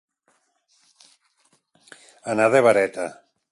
Anar de vareta.